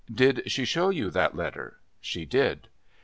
"Did she show you that letter?" "She did."